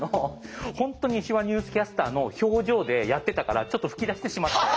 本当に手話ニュースキャスターの表情でやってたからちょっと吹き出してしまって。